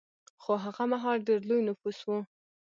خو هغه مهال ډېر لوی نفوس و